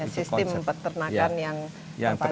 sistem peternakan yang terpadu